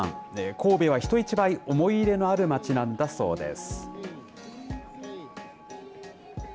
神戸は人一倍、思い入れのある街なんだそうです。